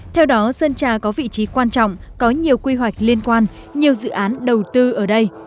theo đó sơn trà có vị trí quan trọng có nhiều quy hoạch liên quan nhiều dự án đầu tư ở đây